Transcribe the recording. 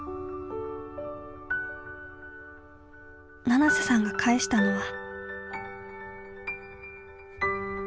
七瀬さんが返したのは。